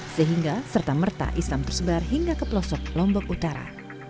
sehingga serta merta islam tersebar hingga ke pelosok lombok utara